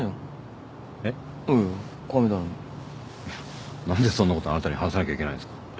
いや何でそんなことあなたに話さなきゃいけないんすか。